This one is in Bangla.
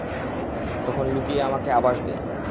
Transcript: তখন লুকিয়ে আমাকে আভাস দেয়।